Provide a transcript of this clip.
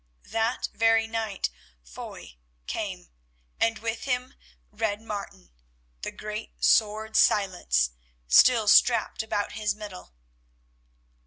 That very night Foy came, and with him Red Martin, the great sword Silence still strapped about his middle.